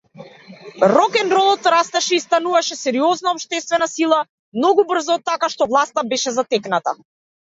Рокенролот растеше и стануваше сериозна општествена сила многу брзо, така што власта беше затекната.